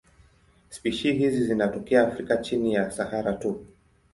Spishi hizi zinatokea Afrika chini ya Sahara tu.